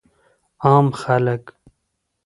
عام خلک